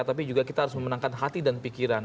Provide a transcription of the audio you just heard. tapi juga kita harus memenangkan hati dan pikiran